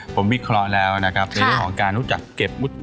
ผมวิเคราะห์แล้วนะครับในเรื่องของการรู้จักเก็บมุด